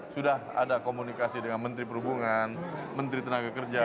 sudah ada komunikasi dengan menteri perhubungan menteri tenaga kerja